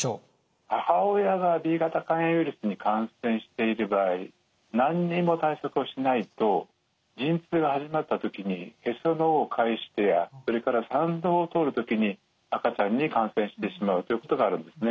母親がＢ型肝炎ウイルスに感染している場合何にも対策をしないと陣痛が始まった時にへその緒を介してやそれから産道を通る時に赤ちゃんに感染してしまうということがあるんですね。